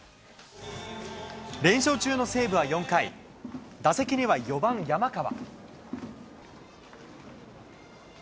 連勝中の西武は４回、打席には４番山川。